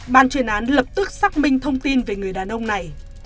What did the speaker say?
ban chuyên án lập tức xác minh thông tin về người đàn ông này